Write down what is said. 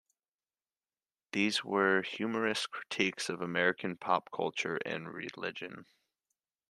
These were humorous critiques of American pop culture and religion.